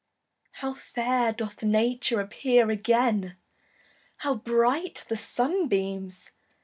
How fair doth Nature Appear again! How bright the sunbeams!